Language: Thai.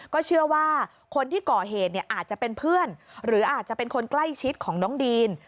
ก็เชื่อว่าคนที่ก่อเหตุเนี่ยอาจจะเป็นเพื่อนหรืออาจจะเป็นคนใกล้ชิดของน้องดีน